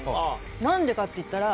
なんでかっていったら。